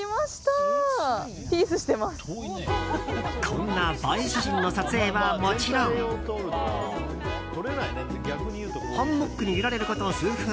こんな映え写真の撮影はもちろんハンモックに揺られること数分。